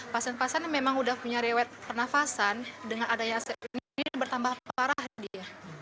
pasien pasien memang udah punya rewet pernafasan dengan adanya ini bertambah parah dia